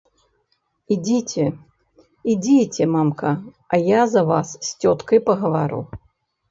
Ідзіце, ідзіце, мамка, а я за вас з цёткай пагавару.